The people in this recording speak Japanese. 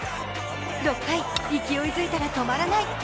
６回、勢いづいたら止まらない。